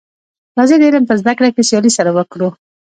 راځی د علم په زده کړه کي سیالي سره وکړو.